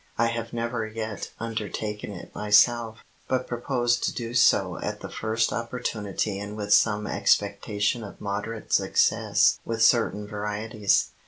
I have never yet undertaken it myself, but propose to do so at the first opportunity and with some expectation of moderate success with certain varieties.